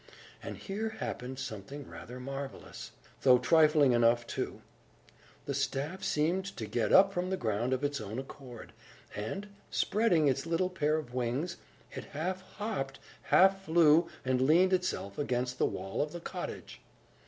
And here happened something rather marvellous, though trifling enough, too. The staff seemed to get up from the ground of its own accord, and, spreading its little pair of wings, it half hopped, half flew, and leaned itself against the wall of the cottage.